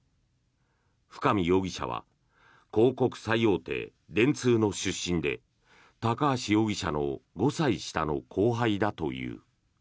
深見容疑者は広告最大手電通の出身で高橋容疑者の５歳下の後輩だという。